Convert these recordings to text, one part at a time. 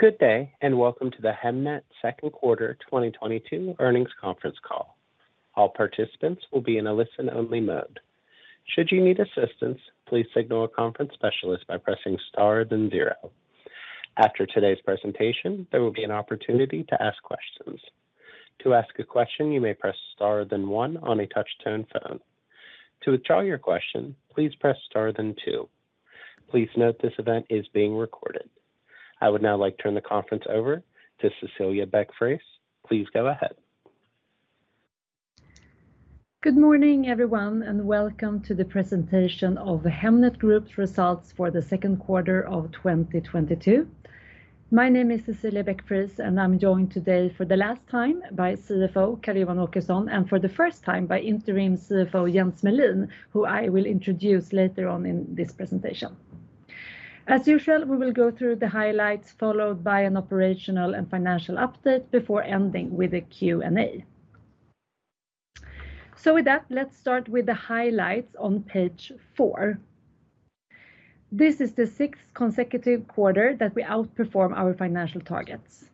Good day, and welcome to the Hemnet second quarter 2022 earnings conference call. All participants will be in a listen-only mode. Should you need assistance, please signal a conference specialist by pressing star then zero. After today's presentation, there will be an opportunity to ask questions. To ask a question, you may press star then one on a touch-tone phone. To withdraw your question, please press star then two. Please note this event is being recorded. I would now like to turn the conference over to Cecilia Beck-Friis. Please go ahead. Good morning, everyone, and welcome to the presentation of the Hemnet Group's results for the second quarter of 2022. My name is Cecilia Beck-Friis, and I'm joined today for the last time by CFO Carl Johan Åkesson, and for the first time by Interim CFO Jens Melin, who I will introduce later on in this presentation. As usual, we will go through the highlights, followed by an operational and financial update before ending with a Q&A. With that, let's start with the highlights on page four. This is the sixth consecutive quarter that we outperform our financial targets.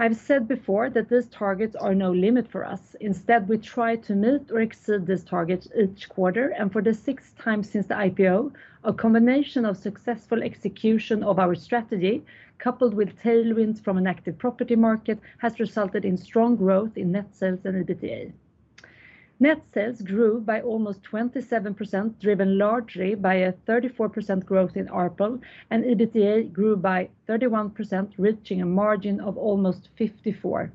I've said before that these targets are no limit for us. Instead, we try to meet or exceed these targets each quarter. For the sixth time since the IPO, a combination of successful execution of our strategy, coupled with tailwinds from an active property market, has resulted in strong growth in net sales and EBITDA. Net sales grew by almost 27%, driven largely by a 34% growth in ARPL, and EBITDA grew by 31%, reaching a margin of almost 54%.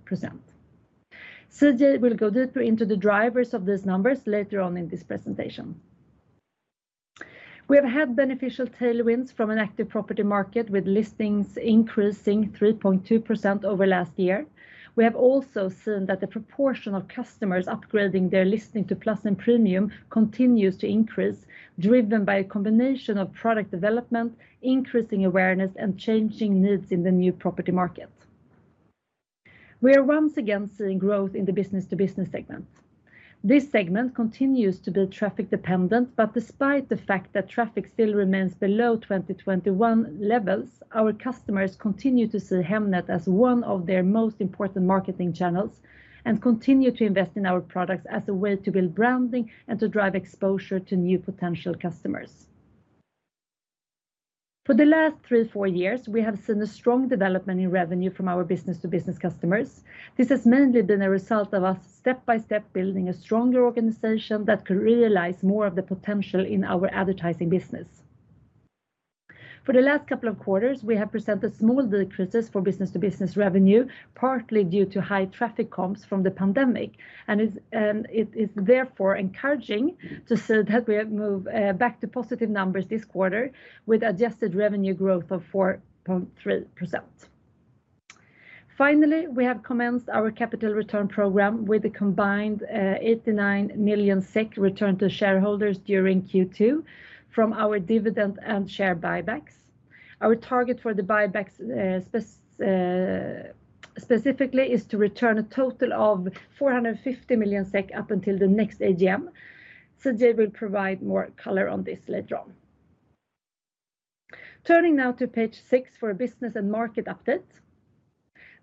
CJ will go deeper into the drivers of these numbers later on in this presentation. We have had beneficial tailwinds from an active property market, with listings increasing 3.2% over last year. We have also seen that the proportion of customers upgrading their listing to Plus and Premium continues to increase, driven by a combination of product development, increasing awareness, and changing needs in the new property market. We are once again seeing growth in the business to business segment. This segment continues to be traffic dependent, but despite the fact that traffic still remains below 2021 levels, our customers continue to see Hemnet as one of their most important marketing channels and continue to invest in our products as a way to build branding and to drive exposure to new potential customers. For the last three to four years, we have seen a strong development in revenue from our business to business customers. This has mainly been a result of us step-by-step building a stronger organization that could realize more of the potential in our advertising business. For the last couple of quarters, we have presented small decreases for business to business revenue, partly due to high traffic comps from the pandemic, and it is therefore encouraging to see that we have moved back to positive numbers this quarter with adjusted revenue growth of 4.3%. Finally, we have commenced our capital return program with a combined 89 million SEK return to shareholders during Q2 from our dividend and share buybacks. Our target for the buybacks, specifically is to return a total of 450 million SEK up until the next AGM. CJ will provide more color on this later on. Turning now to page six for a business and market update.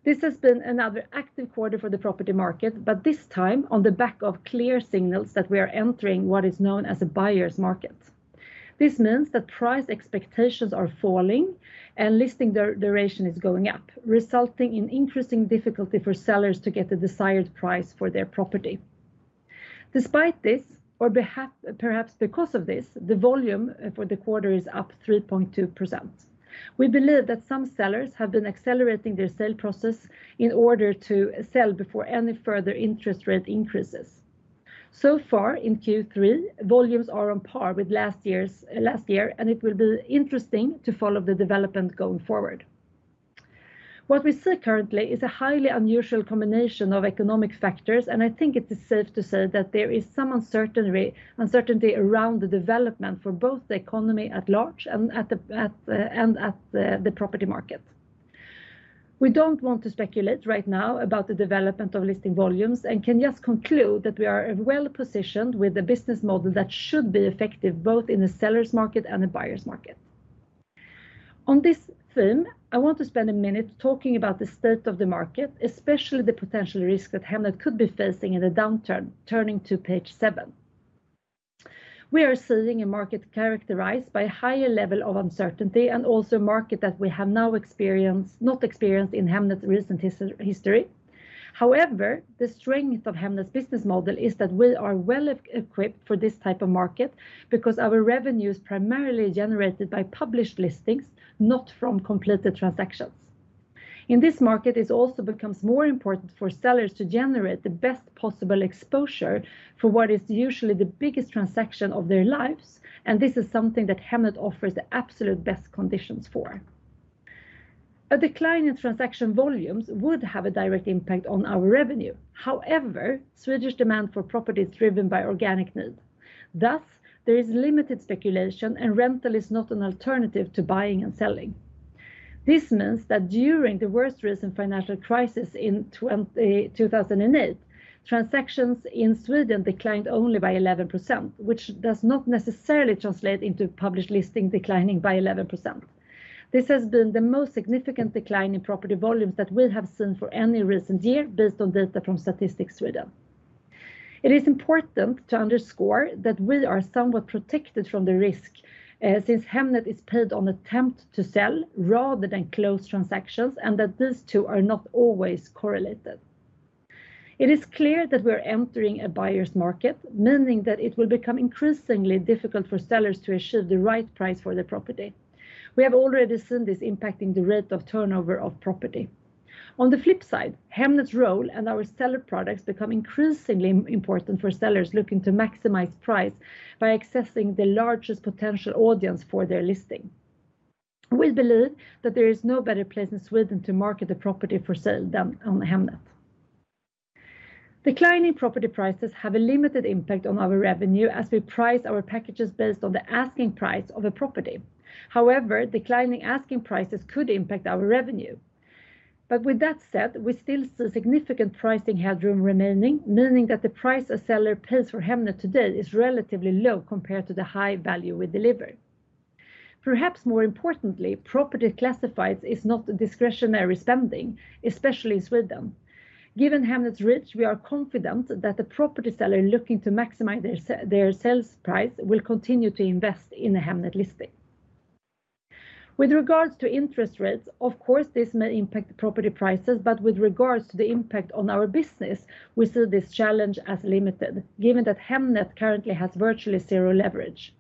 This has been another active quarter for the property market, but this time on the back of clear signals that we are entering what is known as a buyer's market. This means that price expectations are falling and listing duration is going up, resulting in increasing difficulty for sellers to get the desired price for their property. Despite this, perhaps because of this, the volume for the quarter is up 3.2%. We believe that some sellers have been accelerating their sale process in order to sell before any further interest rate increases. So far in Q3, volumes are on par with last year's, last year, and it will be interesting to follow the development going forward. What we see currently is a highly unusual combination of economic factors, and I think it is safe to say that there is some uncertainty around the development for both the economy at large and the property market. We don't want to speculate right now about the development of listing volumes and can just conclude that we are well-positioned with a business model that should be effective both in a seller's market and a buyer's market. On this theme, I want to spend a minute talking about the state of the market, especially the potential risk that Hemnet could be facing in a downturn, turning to page seven. We are seeing a market characterized by a higher level of uncertainty and also a market that we have now not experienced in Hemnet's recent history. However, the strength of Hemnet's business model is that we are well equipped for this type of market because our revenue is primarily generated by published listings, not from completed transactions. In this market, it also becomes more important for sellers to generate the best possible exposure for what is usually the biggest transaction of their lives, and this is something that Hemnet offers the absolute best conditions for. A decline in transaction volumes would have a direct impact on our revenue. However, Swedish demand for property is driven by organic need. Thus, there is limited speculation, and rental is not an alternative to buying and selling. This means that during the worst recent financial crisis in 2008, transactions in Sweden declined only by 11%, which does not necessarily translate into published listing declining by 11%. This has been the most significant decline in property volumes that we have seen for any recent year based on data from Statistics Sweden. It is important to underscore that we are somewhat protected from the risk, since Hemnet is paid on attempt to sell rather than close transactions, and that these two are not always correlated. It is clear that we're entering a buyer's market, meaning that it will become increasingly difficult for sellers to achieve the right price for the property. We have already seen this impacting the rate of turnover of property. On the flip side, Hemnet's role and our seller products become increasingly important for sellers looking to maximize price by accessing the largest potential audience for their listing. We believe that there is no better place in Sweden to market a property for sale than on Hemnet. Declining property prices have a limited impact on our revenue as we price our packages based on the asking price of a property. However, declining asking prices could impact our revenue. With that said, we still see significant pricing headroom remaining, meaning that the price a seller pays for Hemnet today is relatively low compared to the high value we deliver. Perhaps more importantly, property classifieds is not discretionary spending, especially in Sweden. Given Hemnet's reach, we are confident that the property seller looking to maximize their sales price will continue to invest in a Hemnet listing. With regards to interest rates, of course, this may impact the property prices, but with regards to the impact on our business, we see this challenge as limited given that Hemnet currently has virtually zero leverage.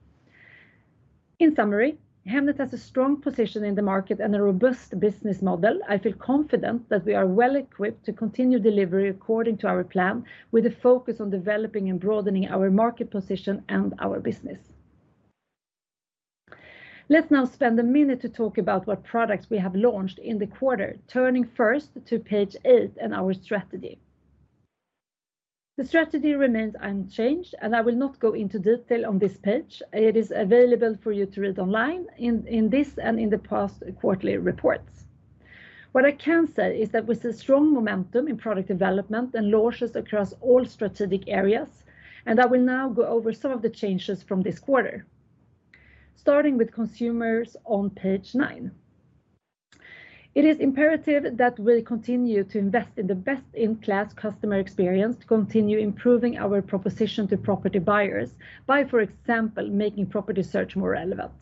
In summary, Hemnet has a strong position in the market and a robust business model. I feel confident that we are well equipped to continue delivery according to our plan, with a focus on developing and broadening our market position and our business. Let's now spend a minute to talk about what products we have launched in the quarter, turning first to page eight and our strategy. The strategy remains unchanged, and I will not go into detail on this page. It is available for you to read online in this and in the past quarterly reports. What I can say is that with the strong momentum in product development and launches across all strategic areas, and I will now go over some of the changes from this quarter, starting with consumers on page nine. It is imperative that we'll continue to invest in the best-in-class customer experience to continue improving our proposition to property buyers by, for example, making property search more relevant.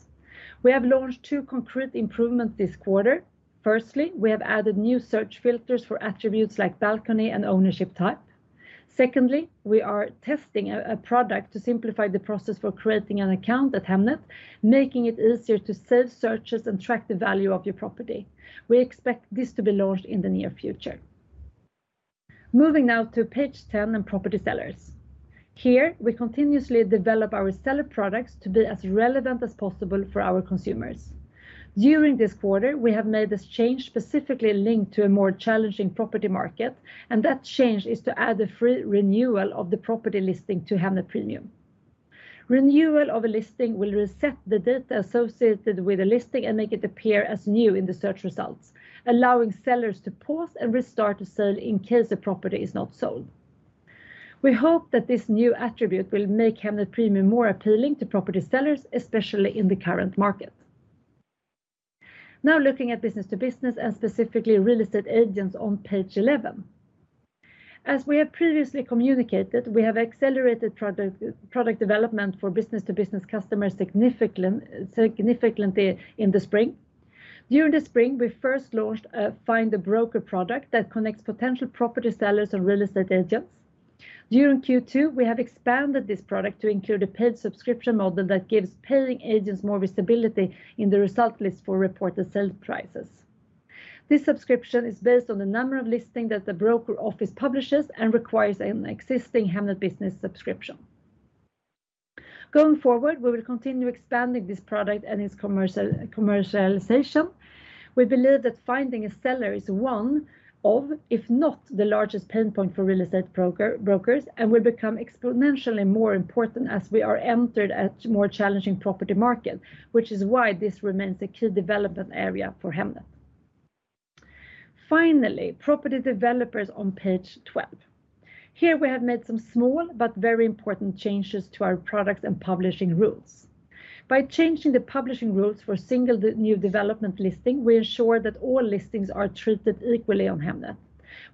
We have launched two concrete improvements this quarter. Firstly, we have added new search filters for attributes like balcony and ownership type. Secondly, we are testing a product to simplify the process for creating an account at Hemnet, making it easier to save searches and track the value of your property. We expect this to be launched in the near future. Moving now to page 10 and property sellers. Here, we continuously develop our seller products to be as relevant as possible for our consumers. During this quarter, we have made this change specifically linked to a more challenging property market, and that change is to add the free renewal of the property listing to Hemnet Premium. Renewal of a listing will reset the data associated with the listing and make it appear as new in the search results, allowing sellers to pause and restart a sale in case the property is not sold. We hope that this new attribute will make Hemnet Premium more appealing to property sellers, especially in the current market. Now looking at business to business, and specifically real estate agents on page 11. As we have previously communicated, we have accelerated product development for business to business customers significantly in the spring. During the spring, we first launched a Find a broker product that connects potential property sellers and real estate agents. During Q2, we have expanded this product to include a paid subscription model that gives paying agents more visibility in the result list for reported sales prices. This subscription is based on the number of listings that the broker office publishes and requires an existing Hemnet Business subscription. Going forward, we will continue expanding this product and its commercialization. We believe that finding a seller is one of, if not the largest pain point for real estate brokers and will become exponentially more important as we enter a more challenging property market, which is why this remains a key development area for Hemnet. Finally, property developers on page 12. Here we have made some small but very important changes to our products and publishing rules. By changing the publishing rules for single new development listing, we ensure that all listings are treated equally on Hemnet.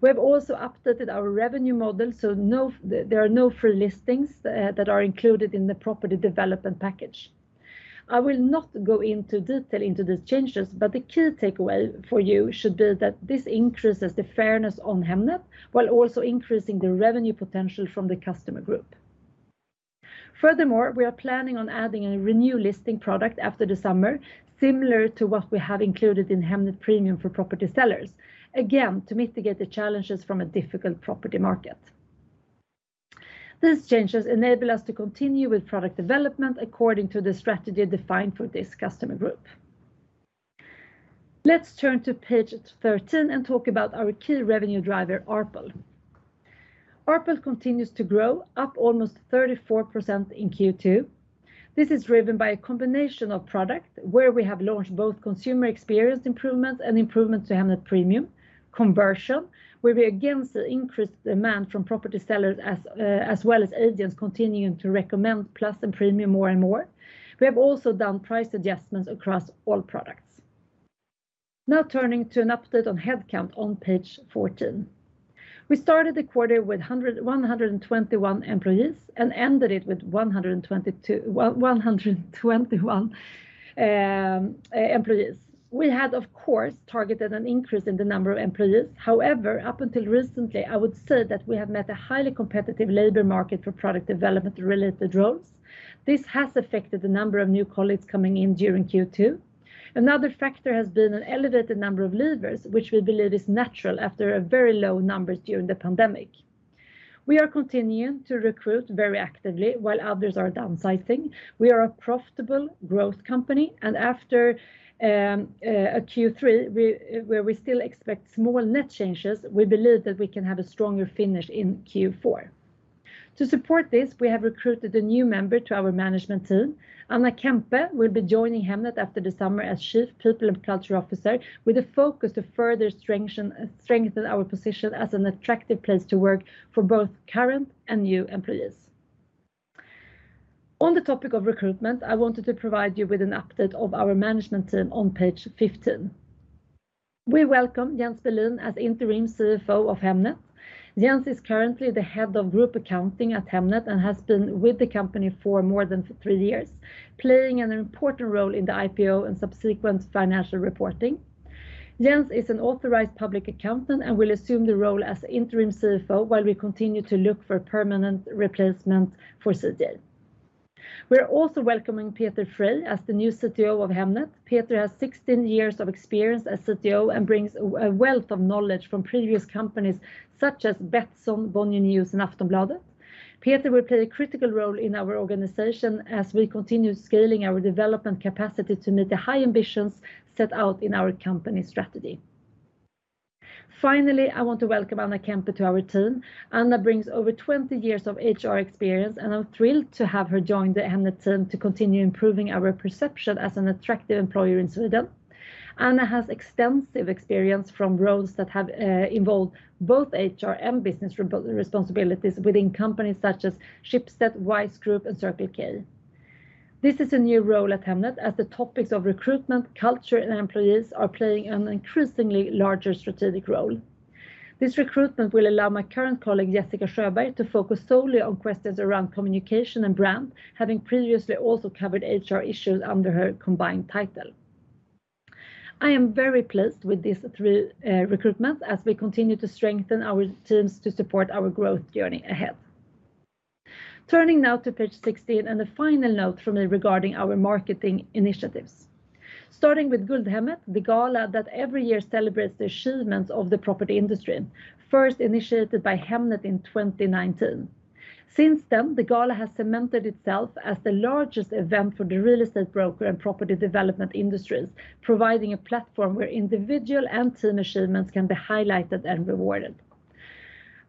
We have also updated our revenue model, so there are no free listings that are included in the property development package. I will not go into detail into these changes, but the key takeaway for you should be that this increases the fairness on Hemnet while also increasing the revenue potential from the customer group. Furthermore, we are planning on adding a renewed listing product after the summer, similar to what we have included in Hemnet Premium for property sellers, again, to mitigate the challenges from a difficult property market. These changes enable us to continue with product development according to the strategy defined for this customer group. Let's turn to page 13 and talk about our key revenue driver, ARPL. ARPL continues to grow, up almost 34% in Q2. This is driven by a combination of product, where we have launched both consumer experience improvements and improvements to Hemnet Premium, conversion, where, against the increased demand from property sellers, as well as agents continuing to recommend Plus and Premium more and more. We have also done price adjustments across all products. Now turning to an update on headcount on page 14. We started the quarter with 121 employees and ended it with 122 employees. We had, of course, targeted an increase in the number of employees. However, up until recently, I would say that we have met a highly competitive labor market for product development related roles. This has affected the number of new colleagues coming in during Q2. Another factor has been an elevated number of leavers, which we believe is natural after a very low numbers during the pandemic. We are continuing to recruit very actively while others are downsizing. We are a profitable growth company. After Q3, where we still expect small net changes, we believe that we can have a stronger finish in Q4. To support this, we have recruited a new member to our management team. Anna Kempe will be joining Hemnet after the summer as Chief People and Culture Officer, with a focus to further strengthen our position as an attractive place to work for both current and new employees. On the topic of recruitment, I wanted to provide you with an update of our management team on page 15. We welcome Jens Melin as Interim CFO of Hemnet. Jens is currently the head of group accounting at Hemnet and has been with the company for more than three years, playing an important role in the IPO and subsequent financial reporting. Jens is an authorized public accountant and will assume the role as Interim CFO while we continue to look for permanent replacement for CJ. We're also welcoming Peter Frey as the new CTO of Hemnet. Peter has 16 years of experience as CTO and brings a wealth of knowledge from previous companies such as Betsson, Bonnier News, and Aftonbladet. Peter will play a critical role in our organization as we continue scaling our development capacity to meet the high ambitions set out in our company strategy. Finally, I want to welcome Anna Kempe to our team. Anna brings over 20 years of HR experience, and I'm thrilled to have her join the Hemnet team to continue improving our perception as an attractive employer in Sweden. Anna has extensive experience from roles that have involved both HR and business responsibilities within companies such as Schibsted, Wise Group, and Circle K. This is a new role at Hemnet as the topics of recruitment, culture, and employees are playing an increasingly larger strategic role. This recruitment will allow my current colleague, Jessica Sjöberg, to focus solely on questions around communication and brand, having previously also covered HR issues under her combined title. I am very pleased with these three recruitment as we continue to strengthen our teams to support our growth journey ahead. Turning now to page 16 and a final note from me regarding our marketing initiatives. Starting with Guldhemmet, the gala that every year celebrates the achievements of the property industry, first initiated by Hemnet in 2019. Since then, the gala has cemented itself as the largest event for the real estate broker and property development industries, providing a platform where individual and team achievements can be highlighted and rewarded.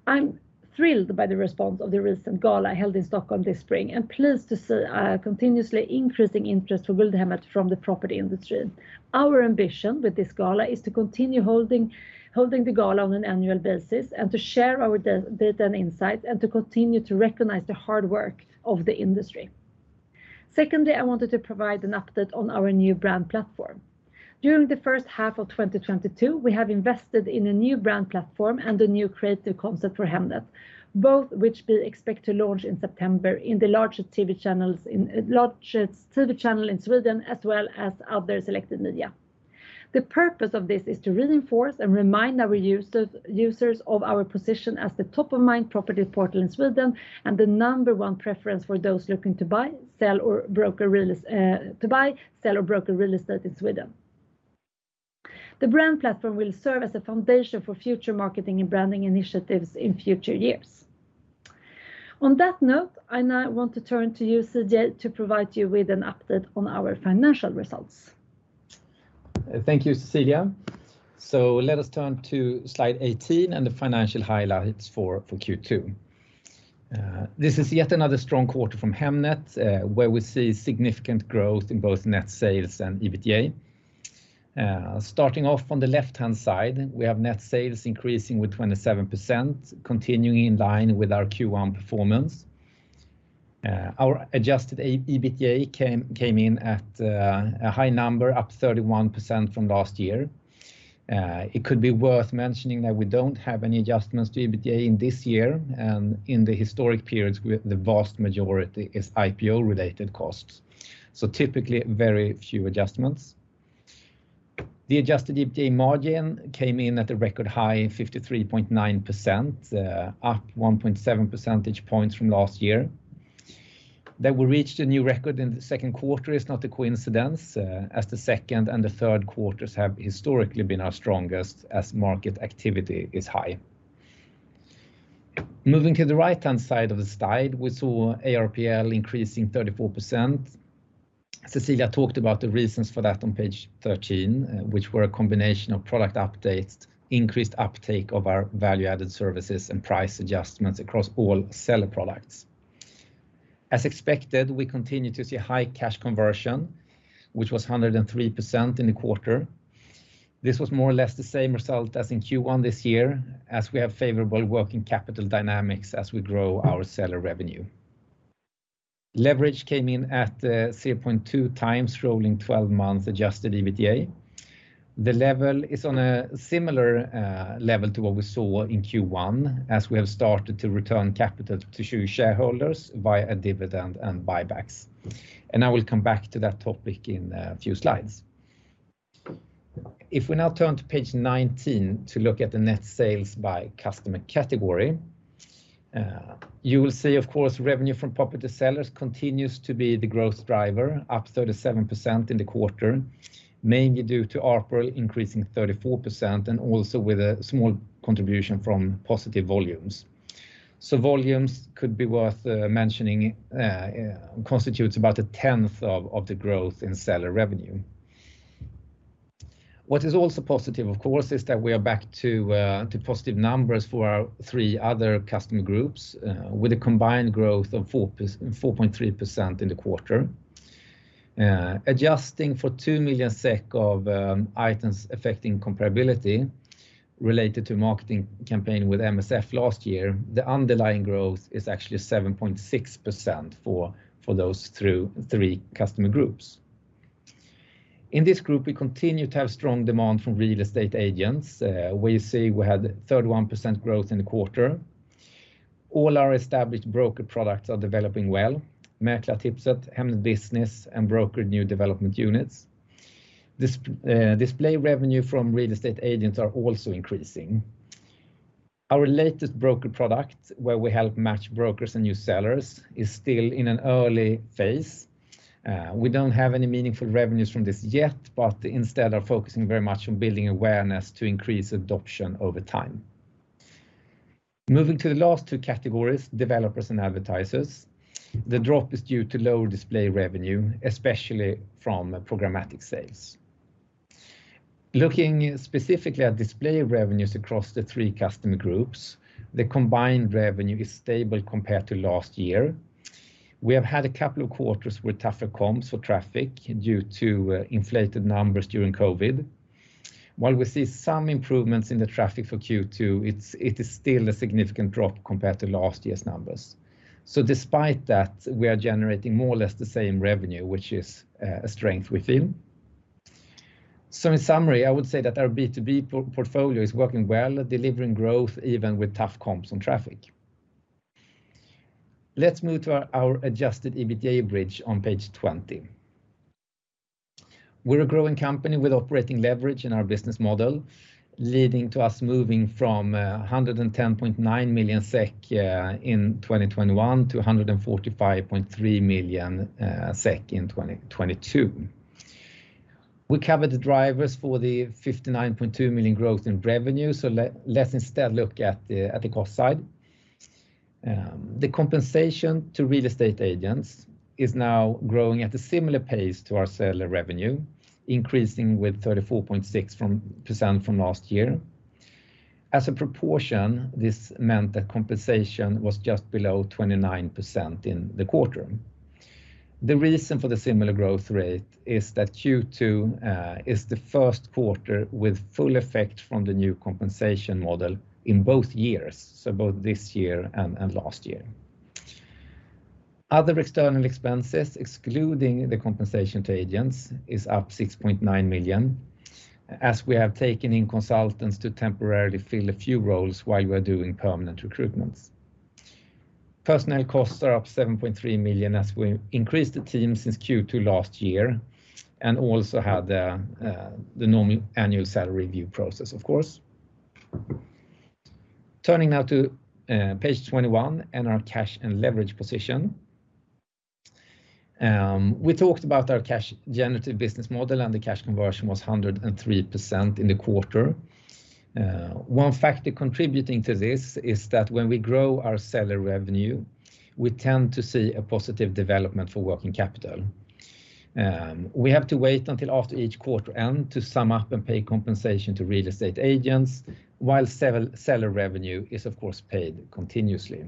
I'm thrilled by the response of the recent gala held in Stockholm this spring and pleased to see a continuously increasing interest for Guldhemmet from the property industry. Our ambition with this gala is to continue holding the gala on an annual basis and to share our data and insight and to continue to recognize the hard work of the industry. Secondly, I wanted to provide an update on our new brand platform. During the first half of 2022, we have invested in a new brand platform and a new creative concept for Hemnet, both which we expect to launch in September in the largest TV channel in Sweden, as well as other selected media. The purpose of this is to reinforce and remind our users of our position as the top-of-mind property portal in Sweden and the number one preference for those looking to buy, sell, or broker real estate in Sweden. The brand platform will serve as a foundation for future marketing and branding initiatives in future years. On that note, I now want to turn to you, CJ, to provide you with an update on our financial results. Thank you, Cecilia. Let us turn to slide 18 and the financial highlights for Q2. This is yet another strong quarter from Hemnet, where we see significant growth in both net sales and EBITDA. Starting off on the left-hand side, we have net sales increasing with 27%, continuing in line with our Q1 performance. Our adjusted EBITDA came in at a high number, up 31% from last year. It could be worth mentioning that we don't have any adjustments to EBITDA in this year, and in the historic periods where the vast majority is IPO-related costs. Typically, very few adjustments. The adjusted EBITDA margin came in at a record high 53.9%, up 1.7 percentage points from last year. That we reached a new record in the second quarter is not a coincidence, as the second and the third quarters have historically been our strongest as market activity is high. Moving to the right-hand side of the slide, we saw ARPL increasing 34%. Cecilia talked about the reasons for that on page 13, which were a combination of product updates, increased uptake of our value-added services, and price adjustments across all seller products. As expected, we continue to see high cash conversion, which was 103% in the quarter. This was more or less the same result as in Q1 this year, as we have favorable working capital dynamics as we grow our seller revenue. Leverage came in at 0.2x rolling 12 months adjusted EBITDA. The level is on a similar, level to what we saw in Q1 as we have started to return capital to shareholders via a dividend and buybacks. I will come back to that topic in a few slides. If we now turn to page 19 to look at the net sales by customer category, you will see, of course, revenue from property sellers continues to be the growth driver, up 37% in the quarter, mainly due to ARPL increasing 34% and also with a small contribution from positive volumes. Volumes could be worth mentioning constitutes about a tenth of the growth in seller revenue. What is also positive, of course, is that we are back to positive numbers for our three other customer groups with a combined growth of 4.3% in the quarter. Adjusting for 2 million SEK of items affecting comparability related to marketing campaign with MSF last year, the underlying growth is actually 7.6% for those three customer groups. In this group, we continue to have strong demand from real estate agents. We see we had 31% growth in the quarter. All our established broker products are developing well. Mäklartipset, Hemnet Business, and Broker New Development units. Display revenue from real estate agents are also increasing. Our latest broker product, where we help match brokers and new sellers, is still in an early phase. We don't have any meaningful revenues from this yet, but instead are focusing very much on building awareness to increase adoption over time. Moving to the last two categories, developers and advertisers, the drop is due to low display revenue, especially from programmatic sales. Looking specifically at display revenues across the three customer groups, the combined revenue is stable compared to last year. We have had a couple of quarters with tougher comps for traffic due to inflated numbers during COVID. While we see some improvements in the traffic for Q2, it is still a significant drop compared to last year's numbers. Despite that, we are generating more or less the same revenue, which is a strength we feel. In summary, I would say that our B2B portfolio is working well, delivering growth even with tough comps on traffic. Let's move to our adjusted EBITDA bridge on page 20. We're a growing company with operating leverage in our business model, leading to us moving from 110.9 million SEK in 2021 to 145.3 million SEK in 2022. We covered the drivers for the 59.2 million growth in revenue, let's instead look at the cost side. The compensation to real estate agents is now growing at a similar pace to our seller revenue, increasing with 34.6% from last year. As a proportion, this meant that compensation was just below 29% in the quarter. The reason for the similar growth rate is that Q2 is the first quarter with full effect from the new compensation model in both years, both this year and last year. Other external expenses, excluding the compensation to agents, is up 6.9 million, as we have taken in consultants to temporarily fill a few roles while we are doing permanent recruitments. Personnel costs are up 7.3 million as we increased the team since Q2 last year and also had the normal annual salary review process, of course. Turning now to page 21 and our cash and leverage position. We talked about our cash generative business model, and the cash conversion was 103% in the quarter. One factor contributing to this is that when we grow our seller revenue, we tend to see a positive development for working capital. We have to wait until after each quarter end to sum up and pay compensation to real estate agents, while seller revenue is of course paid continuously.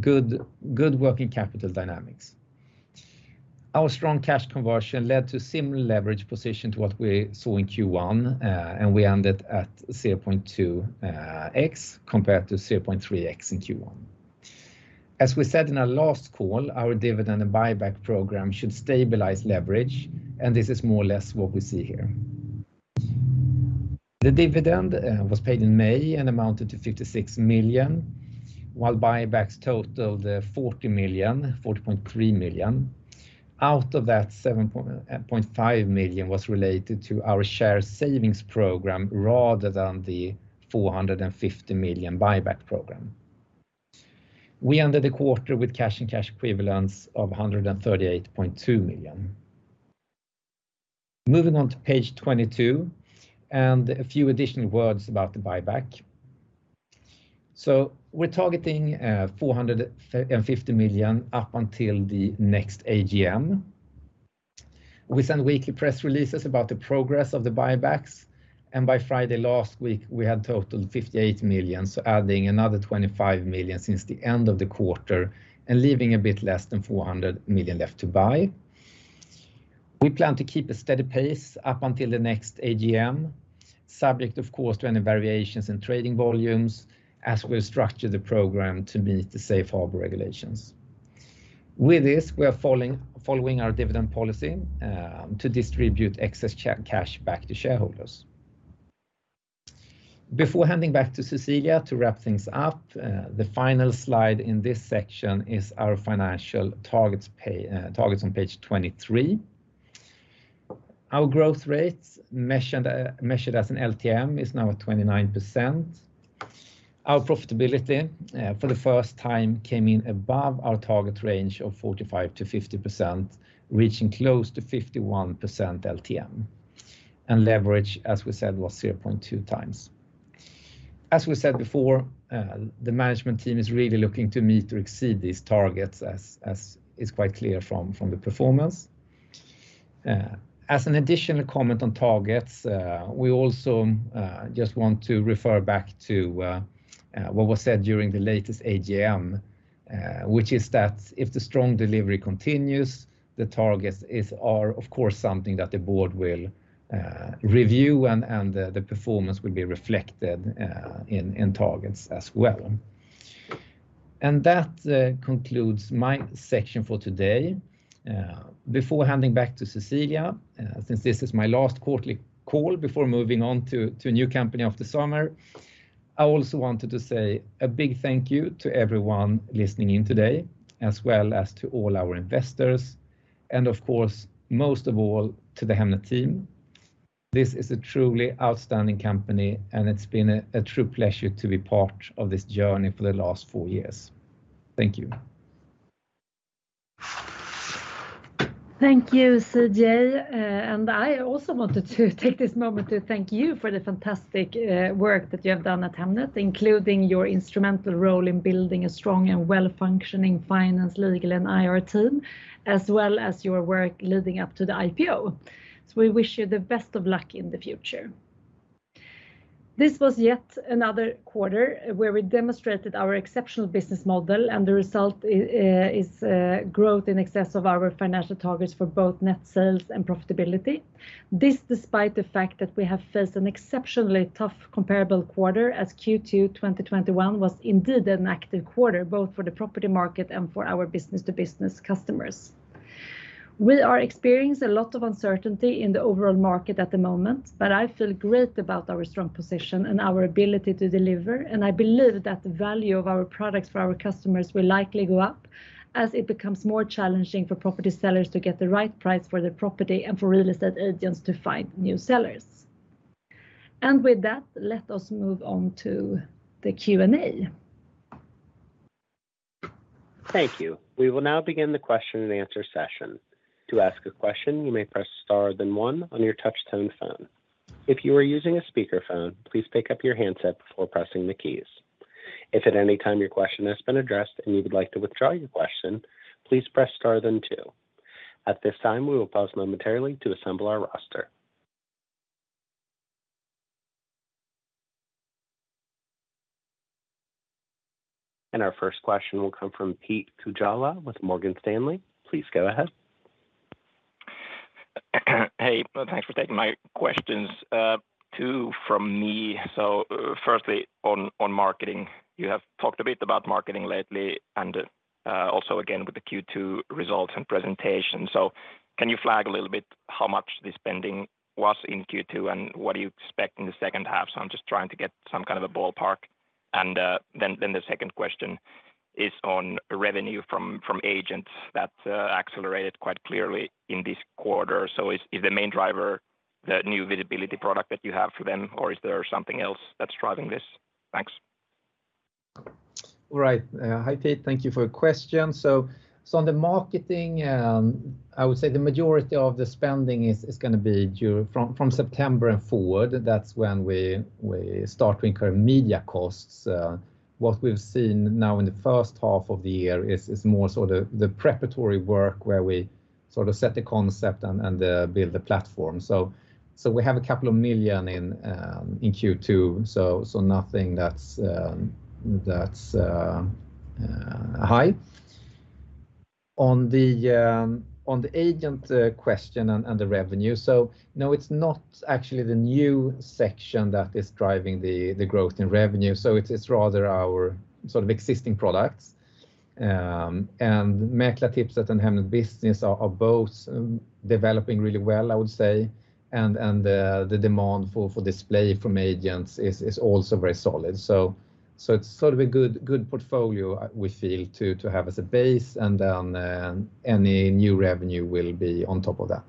Good working capital dynamics. Our strong cash conversion led to similar leverage position to what we saw in Q1, and we ended at 0.2x compared to 0.3x in Q1. As we said in our last call, our dividend and buyback program should stabilize leverage, and this is more or less what we see here. The dividend was paid in May and amounted to 56 million, while buybacks totaled 40.3 million. Out of that, 7.5 million was related to our share savings program rather than the 450 million buyback program. We ended the quarter with cash and cash equivalents of 138.2 million. Moving on to page 22 and a few additional words about the buyback. We're targeting 450 million up until the next AGM. We send weekly press releases about the progress of the buybacks, and by Friday last week, we had totaled 58 million, so adding another 25 million since the end of the quarter and leaving a bit less than 400 million left to buy. We plan to keep a steady pace up until the next AGM, subject of course to any variations in trading volumes as we structure the program to meet the safe harbor regulations. With this, we are following our dividend policy to distribute excess cash back to shareholders. Before handing back to Cecilia to wrap things up, the final slide in this section is our financial targets targets on page 23. Our growth rates measured as an LTM is now at 29%. Our profitability for the first time came in above our target range of 45%-50%, reaching close to 51% LTM. Leverage, as we said, was 0.2x. As we said before, the management team is really looking to meet or exceed these targets, as is quite clear from the performance. As an additional comment on targets, we also just want to refer back to what was said during the latest AGM, which is that if the strong delivery continues, the targets are of course something that the board will review and the performance will be reflected in targets as well. That concludes my section for today. Before handing back to Cecilia, since this is my last quarterly call before moving on to a new company after summer, I also wanted to say a big thank you to everyone listening in today, as well as to all our investors and of course, most of all, to the Hemnet team. This is a truly outstanding company, and it's been a true pleasure to be part of this journey for the last four years. Thank you. Thank you, CJ. I also wanted to take this moment to thank you for the fantastic work that you have done at Hemnet, including your instrumental role in building a strong and well-functioning finance, legal, and IR team, as well as your work leading up to the IPO. We wish you the best of luck in the future. This was yet another quarter where we demonstrated our exceptional business model, and the result is growth in excess of our financial targets for both net sales and profitability. This despite the fact that we have faced an exceptionally tough comparable quarter, as Q2 2021 was indeed an active quarter, both for the property market and for our business-to-business customers. We are experiencing a lot of uncertainty in the overall market at the moment, but I feel great about our strong position and our ability to deliver. I believe that the value of our products for our customers will likely go up as it becomes more challenging for property sellers to get the right price for their property and for real estate agents to find new sellers. With that, let us move on to the Q&A. Thank you. We will now begin the question and answer session. To ask a question, you may press star then one on your touch-tone phone. If you are using a speaker phone, please pick up your handset before pressing the keys. If at any time your question has been addressed and you would like to withdraw your question, please press star then two. At this time, we will pause momentarily to assemble our roster. Our first question will come from Pete Kujala with Morgan Stanley. Please go ahead. Hey, thanks for taking my questions. Two from me. Firstly on marketing. You have talked a bit about marketing lately and also again with the Q2 results and presentation. Can you flag a little bit how much the spending was in Q2, and what are you expecting the second half? I'm just trying to get some kind of a ballpark. Then the second question is on revenue from agents that accelerated quite clearly in this quarter. Is the main driver the new visibility product that you have for them, or is there something else that's driving this? Thanks. All right. Hi, Pete. Thank you for your question. On the marketing, I would say the majority of the spending is gonna be due from September and forward. That's when we start to incur media costs. What we've seen now in the first half of the year is more sort of the preparatory work where we sort of set the concept and build the platform. We have a couple of million in Q2, nothing that's high. On the agent question and the revenue. No, it's not actually the new section that is driving the growth in revenue. It's rather our sort of existing products. Mäklartipset and Hemnet Business are both developing really well, I would say. The demand for display from agents is also very solid. It's sort of a good portfolio we feel to have as a base and then any new revenue will be on top of that.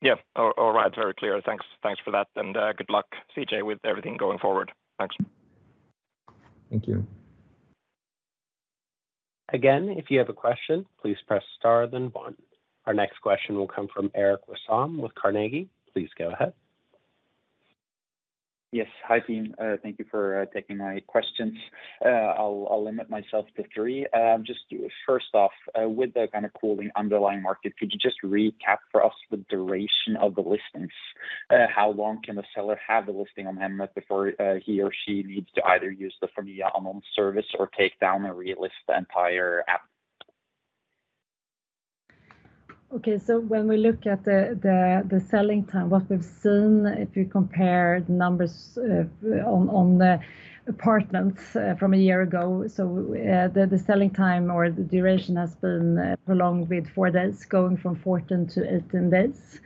Yeah. All right. Very clear. Thanks. Thanks for that. Good luck, CJ, with everything going forward. Thanks. Thank you. Again, if you have a question, please press star then one. Our next question will come from Erik Wasson with Carnegie. Please go ahead. Yes. Hi, team. Thank you for taking my questions. I'll limit myself to three. Just first off, with the kind of cooling underlying market, could you just recap for us the duration of the listings? How long can the seller have the listing on Hemnet before he or she needs to either use the Förmedla Annons service or take down and relist the entire ad? Okay. When we look at the selling time, what we've seen, if you compare the numbers on the apartments from a year ago, the selling time or the duration has been prolonged with four days, going from 14 to 18 days.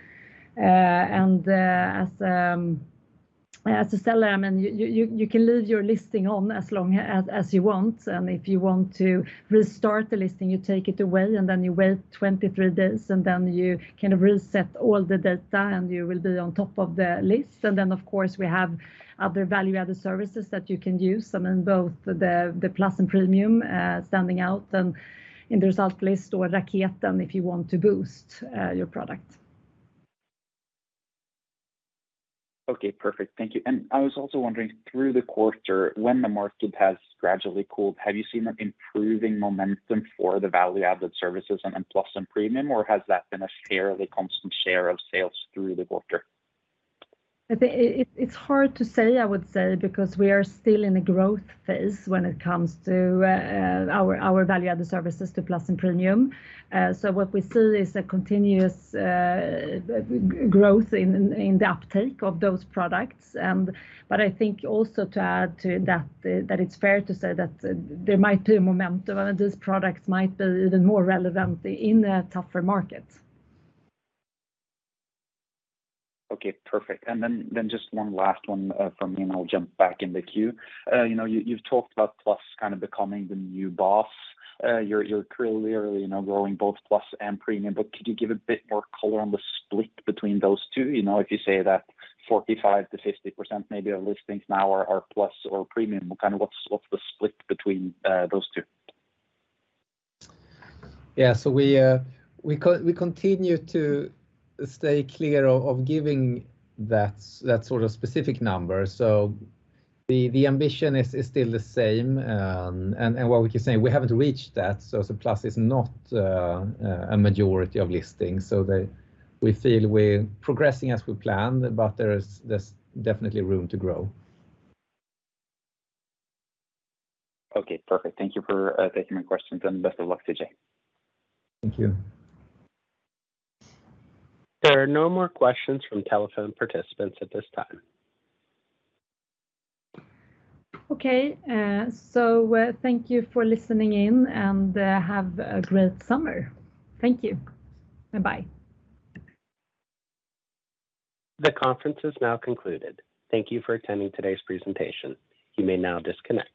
As a seller, I mean, you can leave your listing on as long as you want, and if you want to restart the listing, you take it away, and then you wait 23 days, and then you kind of reset all the data, and you will be on top of the list. Of course, we have other value-added services that you can use, I mean, both the Plus and Premium standing out in the result list or Raketen if you want to boost your product. Okay. Perfect. Thank you. I was also wondering, through the quarter when the market has gradually cooled, have you seen an improving momentum for the value-added services and in Plus and Premium, or has that been a fairly constant share of sales through the quarter? I think it's hard to say, I would say, because we are still in a growth phase when it comes to our value-added services to Plus and Premium. What we see is a continuous growth in the uptake of those products. I think also to add to that it's fair to say that there might be a momentum and these products might be even more relevant in a tougher market. Okay. Perfect. Just one last one from me, and I'll jump back in the queue. You know, you've talked about Plus kind of becoming the new boss. You're clearly, you know, growing both Plus and Premium, but could you give a bit more color on the split between those two? You know, if you say that 45%-50% maybe of listings now are Plus or Premium, kind of, what's the split between those two? Yeah. We continue to stay clear of giving that sort of specific number. The ambition is still the same. What we can say, we haven't reached that. Plus is not a majority of listings. We feel we're progressing as we planned, but there's definitely room to grow. Okay. Perfect. Thank you for taking my questions, and best of luck today. Thank you. There are no more questions from telephone participants at this time. Okay. Thank you for listening in, and have a great summer. Thank you. Bye-bye. The conference is now concluded. Thank you for attending today's presentation. You may now disconnect.